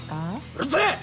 うるせぇ！